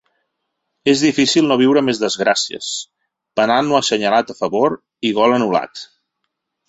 És difícil no viure més desgràcies, penal no assenyalat a favor i gol anul·lat.